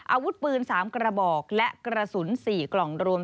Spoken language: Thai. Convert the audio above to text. อาวุธปืน๓กระบอกและกระสุน๔กล่องรวม